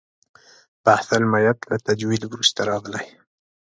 بحث المیت له تجوید وروسته راغلی.